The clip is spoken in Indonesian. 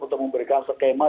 untuk memberikan skema